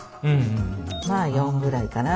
まあ４ぐらいかなあと。